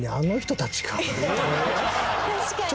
確かに。